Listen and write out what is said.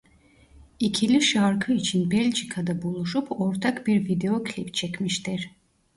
İkili şarkı için Belçika'da buluşup ortak bir video klip çekmiştir.